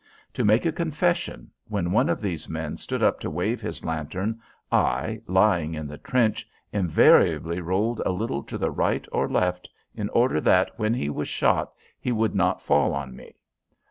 To make a confession when one of these men stood up to wave his lantern, I, lying in the trench, invariably rolled a little to the right or left, in order that, when he was shot, he would not fall on me.